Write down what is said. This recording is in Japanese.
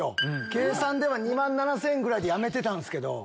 計算で２万７０００円ぐらいでやめてたんすけど。